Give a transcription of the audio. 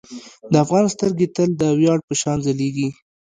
د افغان سترګې تل د ویاړ په شان ځلیږي.